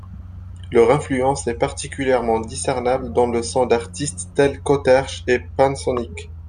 Leur influence est particulièrement discernable dans le son d'artistes tels qu'Autechre et Pan Sonic.